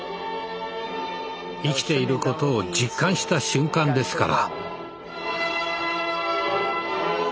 生きていることを実感した瞬間ですから。